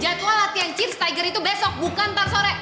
jadwal latihan cheers tiger itu besok bukan ntar sore